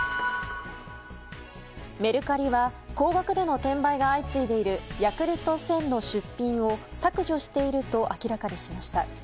メルカリは高額での転売が相次いでいるヤクルト１０００の出品を削除していると明らかにしました。